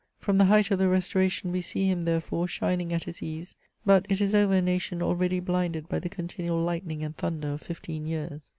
From the height of the Restoration we see him, therefore, shining at his ease, hut it is over a nation already blinded by the continual lightning and thunder of fifteen years.